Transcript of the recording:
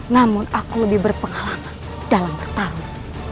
namun aku lebih berpengalaman dalam bertarung